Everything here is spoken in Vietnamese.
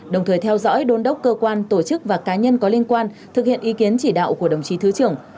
đồng thời theo dõi đôn đốc cơ quan tổ chức và cá nhân có liên quan thực hiện ý kiến chỉ đạo của đồng chí thứ trưởng